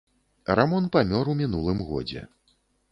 Рамон памёр у мінулым годзе.